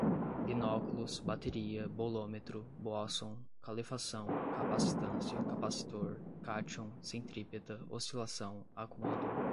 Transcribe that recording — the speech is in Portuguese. binóculos, bateria, bolômetro, bóson, calefação, capacitância, capacitor, cátion, centrípeta, oscilação, acumulador